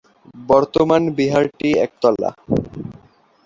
বর্তমান বিহারটি একতলা।